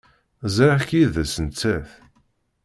Ẓriɣ-k yid-s nettat.